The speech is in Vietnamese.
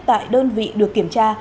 tại đơn vị được kiểm tra